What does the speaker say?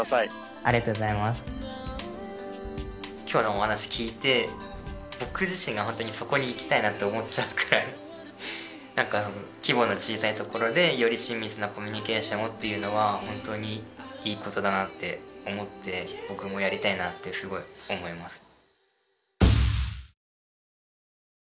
今日のお話聞いて僕自身が本当にそこに行きたいなと思っちゃうくらい規模の小さいところでより親密なコミュニケーションをっていうのは本当にいいことだなって思って僕もやりたいなってすごい思います。